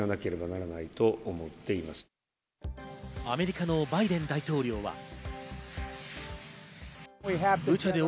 アメリカのバイデン大統領は。